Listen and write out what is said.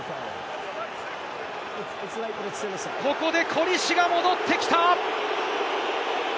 ここでコリシが戻ってきた！